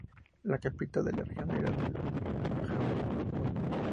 La capital de la región era El Aaiún.